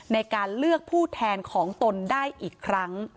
ในการเลือกผู้แทนของตนได้อีกครั้ง